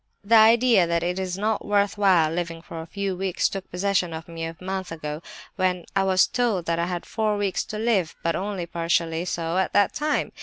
"The idea that it is not worth while living for a few weeks took possession of me a month ago, when I was told that I had four weeks to live, but only partially so at that time.